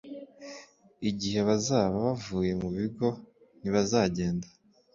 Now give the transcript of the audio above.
Igihe bazaba bavuye mu bigo ntibazagenda